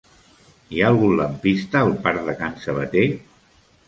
Hi ha algun lampista al parc de Can Sabater?